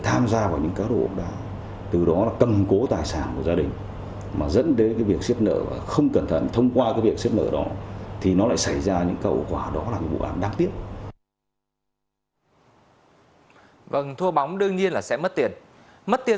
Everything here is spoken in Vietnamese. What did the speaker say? hãy đăng ký kênh để ủng hộ kênh của mình nhé